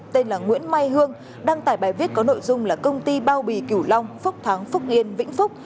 tên là nguyễn mai hương đăng tải bài viết có nội dung là công ty bao bì kiểu long phúc thắng phúc yên vĩnh phúc